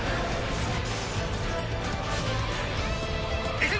えっ？